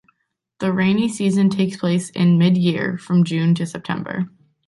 The rainy season takes place in mid-year, from June to September.